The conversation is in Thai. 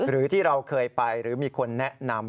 หรือที่เราเคยไปหรือมีคนแนะนำ